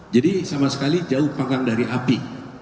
jadi sama sekali jauh panggang dari api